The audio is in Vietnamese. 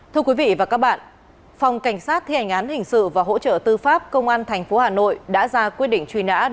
thưa quý vị và các bạn phòng cảnh sát thi hành án hình sự và hỗ trợ tư pháp công an tp hcm